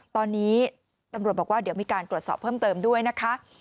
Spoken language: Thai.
ตอนนี้ตำรวจบอกว่าเดี๋ยวมีการตรวจสอบเพิ่มเติมด้วยนะคะ